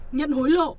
nhận hối lộ